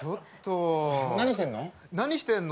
何してるの？